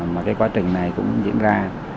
mà quá trình này cũng diễn ra